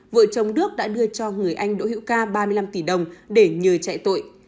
vợ chồng đức đã đưa cho người anh đỗ hữu ca ba mươi năm tỷ đồng để nhờ chạy tội